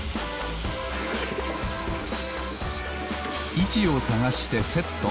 いちをさがしてセット。